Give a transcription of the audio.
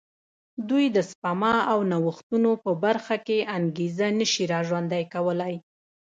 دوی د سپما او نوښتونو په برخه کې انګېزه نه شي را ژوندی کولای.